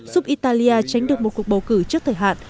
giúp italia tránh được một cuộc bầu cử trước thời hạn